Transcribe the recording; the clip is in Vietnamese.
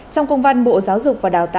trong công văn bộ giáo dục và đào tạo